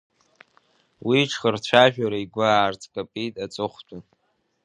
Уи иҽхырцәажәара игәы аарҵкапит аҵыхәтәан.